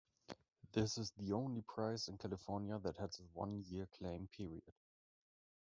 This is the only prize in California that has a one-year claim period.